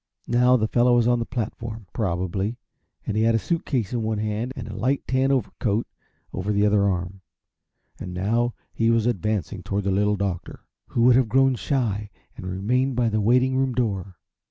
Now, the fellow was on the platform, probably, and he had a suit case in one hand and a light tan overcoat over the other arm, and now he was advancing toward the Little Doctor, who would have grown shy and remained by the waiting room door.